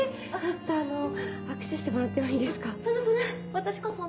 あの握手してもらってもいいですそんなそんな！